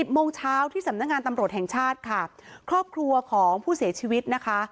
โมงเช้าที่สำนักงานตำรวจแห่งชาติค่ะครอบครัวของผู้เสียชีวิตนะคะ